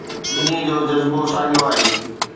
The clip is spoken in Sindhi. ٻنهي جو جذبو ساڳيو آهي